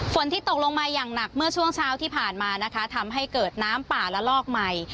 ที่ตกลงมาอย่างหนักเมื่อช่วงเช้าที่ผ่านมานะคะทำให้เกิดน้ำป่าละลอกใหม่